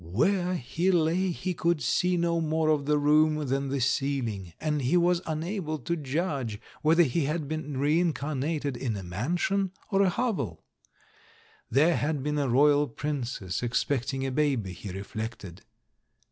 Where he lay he could see no more of the room than the ceihng, and he was unable to judge whether he had been reincarnated in a mansion or a hovel. There had been a royal princess ex pecting a baby, he reflected.